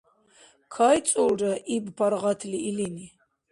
— КайцӀулра, — иб паргъатли илини.